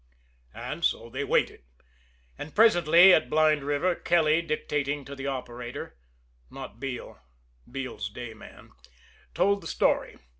And so they waited. And presently at Blind River, Kelly, dictating to the operator not Beale, Beale's day man told the story.